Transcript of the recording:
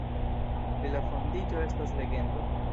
Pri la fondiĝo estas legendo.